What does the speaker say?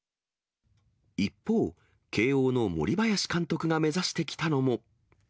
一方、慶応の森林監督が目指してきたのも。